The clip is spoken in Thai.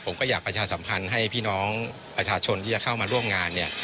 ผมก็อยากประชาสัมพันธ์ให้พี่น้องประชาชนที่จะเข้ามาร่วมงานเนี่ย